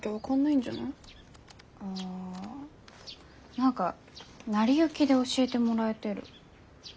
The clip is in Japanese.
何か成り行きで教えてもらえてる。